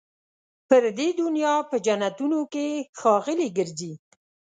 پر دې دنیا په جنتونو کي ښاغلي ګرځي